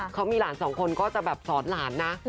เขามีหลานสองคนก็จะแบบสอนหลานนะ